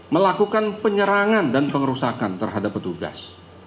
melakukan penyerangan dan pengerusakan terhadap petugas